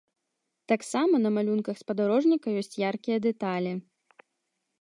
Таксама на малюнках спадарожніка ёсць яркія дэталі.